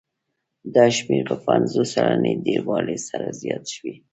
دا شمېر په پنځوس سلنې ډېروالي سره زیات شو